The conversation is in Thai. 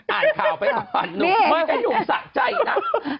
อ่านข่าวไปผ่านหนุ่มมากไอ้หนุ่มสะใจนะ